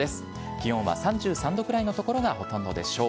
気温は３３度くらいの所がほとんどでしょう。